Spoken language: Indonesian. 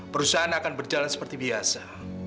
perusahaan akan berjalan seperti biasa